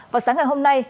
vào sáng ngày hôm nay